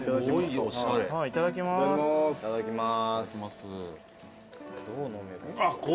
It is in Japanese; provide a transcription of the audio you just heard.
いただきます。